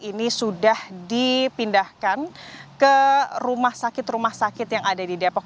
ini sudah dipindahkan ke rumah sakit rumah sakit yang ada di depok